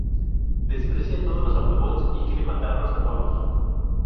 Desprecia todos los Autobots, y quiere matarlos a todos.